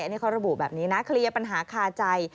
อันนี้เขาระบุแบบนี้นะเคลียร์ปัญหาคาใจ